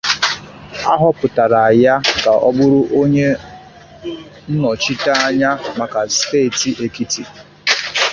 A họpụtara ya ka ọ bụrụ onye nnọchiteanya maka steeti Ekiti.